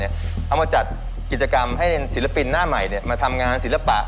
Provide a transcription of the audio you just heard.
เอามาจัดกิจกรรมให้ศิลปินหน้าใหม่มาทำงานศิลปะ